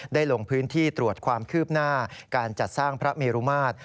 ลงพื้นที่ตรวจความคืบหน้าการจัดสร้างพระเมรุมาตร